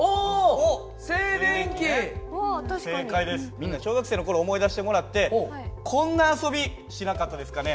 みんな小学生の頃思い出してもらってこんな遊びしなかったですかね？